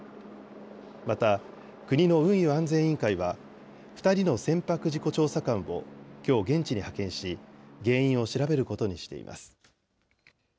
また、国の運輸安全委員会は、２人の船舶事故調査官をきょう、現地に派遣し、原因を調べることにしています。